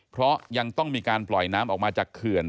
เพราะยังต้องมีการปล่อยน้ำออกมาจากเขื่อน